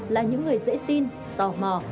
là những người dễ tin tò mò